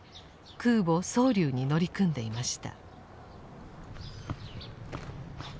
空母「蒼龍」に乗り組んでいました。